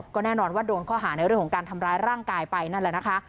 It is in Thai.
ก็แน่นอนว่าโดนข้อหาในเรื่องของการทำร้ายร่างกายไปนั่นแหละนะคะ